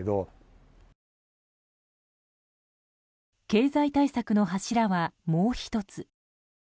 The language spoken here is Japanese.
経済対策の柱は、もう１つ。